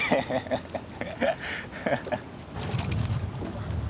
ハハハハッ。